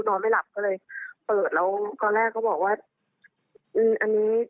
นอนไม่หลับก็เลยเปิดแล้วตอนแรกก็บอกว่าอืมอันนี้